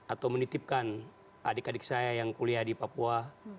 atau menitipkan adik adik saya yang kuliah di papua